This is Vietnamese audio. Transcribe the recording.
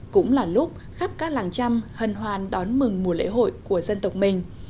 cũng là lúc khắp các làng chăm hần hoàn đón mừng mùa lễ hội của dân tộc mình